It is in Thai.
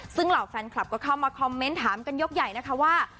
ซึ่งเหล่าแฟนคลับก็เข้ามาคอมเมนต์ถามกันยกใหญ่นะคะว่า